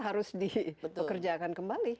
harus di pekerjakan kembali